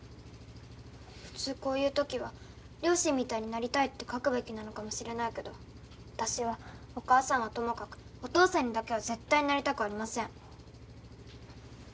「普通こういう時は両親みたいになりたいって書くべきなのかもしれないけど私はお母さんはともかくお父さんにだけは絶対なりたくありません」